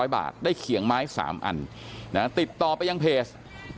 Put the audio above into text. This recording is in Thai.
๐บาทได้เขียงไม้๓อันติดต่อไปยังเพจ